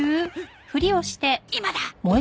今だ！